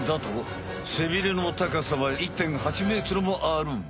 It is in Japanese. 背ビレの高さは１．８ｍもある。